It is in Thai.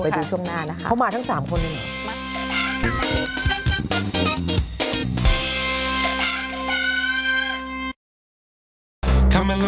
ไปดูช่วงหน้านะครับ